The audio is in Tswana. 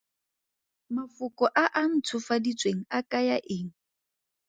Mafoko a a ntshofaditsweng a kaya eng?